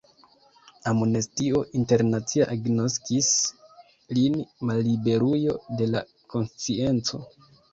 Amnestio Internacia agnoskis lin malliberulo de la konscienco.